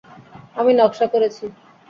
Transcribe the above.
আমি নকশা করেছি।